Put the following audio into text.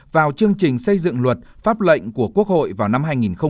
vào chương trình xây dựng luật pháp lệnh của quốc hội vào năm hai nghìn một mươi tám